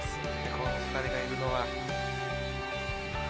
この２人がいるのは。